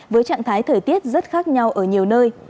với trạng thái thời tiết rất khác nhau ở nhiều nơi